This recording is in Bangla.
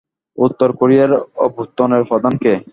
উত্তর কোরিয়ার অভ্যুত্থানের প্রধান কে?